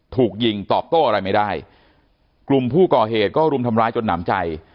ถูกยิงตอบโต้อะไรไม่ได้กลุ่มผู้ก่อเหตุก็รุมทำร้ายจนหนำใจ